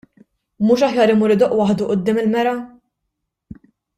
Mhux aħjar imur idoqq waħdu quddiem il-mera.